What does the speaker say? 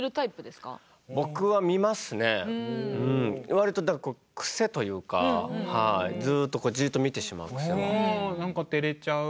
わりと癖というかはいずっとじっと見てしまう癖は。